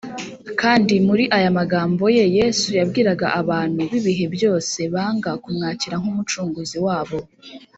kandi muri aya magambo ye, yesu yabwiraga abantu b’ibihe byose banga kumwakira nk’umucunguzi wabo